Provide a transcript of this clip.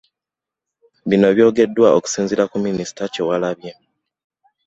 Bino byogeddwa okusinziira ku Minisita Kyewalabye.